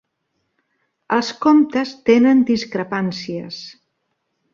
Els comptes tenen discrepàncies.